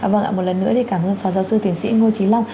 vâng ạ một lần nữa thì cảm ơn phó giáo sư tiến sĩ ngô trí long